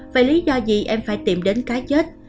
vì lý do gì em phải tìm đến cá chết